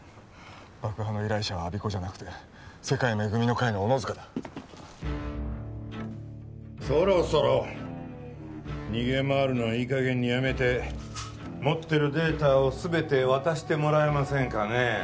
爆破の依頼者は我孫子じゃなくて世界恵みの会の小野塚だそろそろ逃げ回るのはいい加減にやめて持ってるデータを全て渡してもらえませんかね